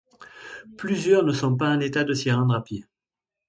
Plusieurs ne sont pas en état de s'y rendre à pied.